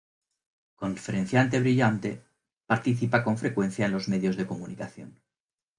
Conferenciante brillante, participa con frecuencia en los medios de comunicación.